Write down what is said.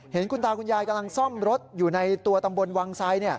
เห็นคุณตาคุณยายกำลังซ่อมรถอยู่ในตัวตำบลวังไซด